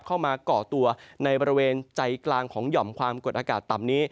เข้ามาก่อตัวในบริเวณใจกลางของหย่อมความกดอากาศต่ำนี้